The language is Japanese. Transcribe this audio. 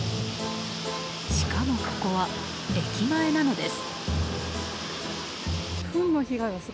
しかもここは駅前なのです。